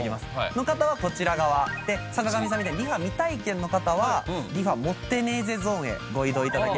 の方はこちら側で坂上さんみたいにリファ未体験の方はリファ持ってネーゼゾーンへご移動頂ければと思います。